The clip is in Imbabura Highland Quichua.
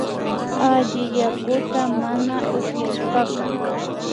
Alli yakuta mana upyashpaka